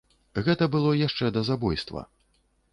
Гэта было яшчэ да забойства.